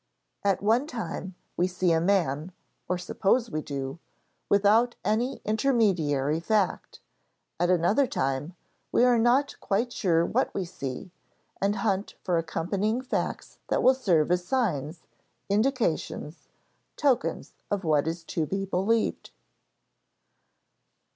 At one time, we see a man (or suppose we do) without any intermediary fact; at another time, we are not quite sure what we see, and hunt for accompanying facts that will serve as signs, indications, tokens of what is to be believed.